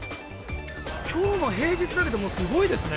きょうは平日だけども、すごいですね。